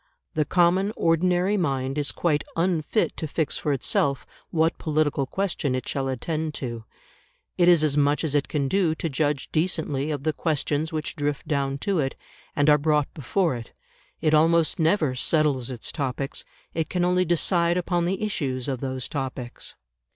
The common ordinary mind is quite unfit to fix for itself what political question it shall attend to; it is as much as it can do to judge decently of the questions which drift down to it, and are brought before it; it almost never settles its topics; it can only decide upon the issues of those topics.